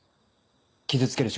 傷つける